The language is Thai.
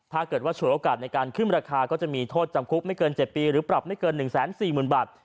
ถ้าเกิดว่าฉวยโอกาสในการขึ้นราคาก็จะมีโทษจำคุกไม่เกิน๗ปีหรือปรับไม่เกิน๑๔๐๐๐บาท